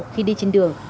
khi đi trên đường